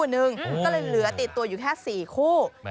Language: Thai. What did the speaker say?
ก็เลยเหลือติดตัวอยู่แค่๔คู่